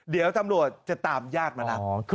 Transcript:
เดี๋ยวตำรวจจะตามญาติมารับ